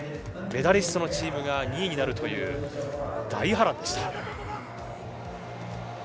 メダリストのチームが２位になるという大波乱でした。